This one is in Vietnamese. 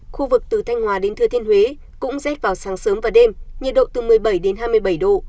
khu vực từ thanh hòa đến thừa thiên huế cũng rét vào sáng sớm và đêm nhiệt độ từ một mươi bảy đến hai mươi bảy độ